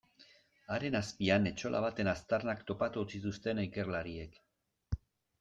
Haren azpian etxola baten aztarnak topatu zituzten ikerlariek.